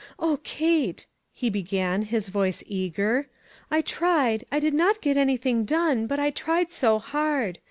" O Kate," he began, his voice eager, MI tried, I did not get anything done, but I tried so hard.